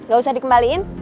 gak usah dikembaliin